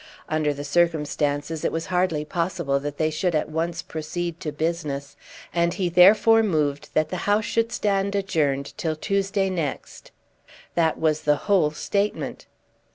Under the circumstances it was hardly possible that they should at once proceed to business, and he therefore moved that the House should stand adjourned till Tuesday next. That was the whole statement.